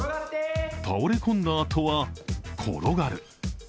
倒れ込んだあとは、転がる。